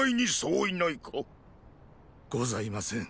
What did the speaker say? ございません。